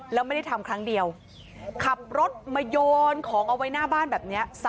แล้วไม่ได้ทำครั้งเดียวขับรถมาโยนของเอาไว้หน้าบ้านแบบนี้